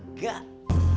rum juga yakin